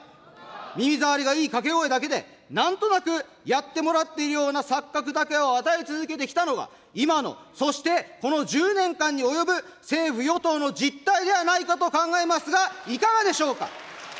耳障りがいい掛け声だけで、なんとなく、やってもらっているような錯覚だけを与えて続けてきたのが、今の、そしてこの１０年間に及ぶ政府・与党の実態ではないかと考えますが、いかがでしょうか。